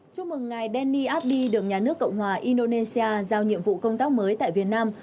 chúc mừng ngài denny abdi được nhà nước cộng hòa indonesia giao nhiệm vụ công tác mới tại việt nam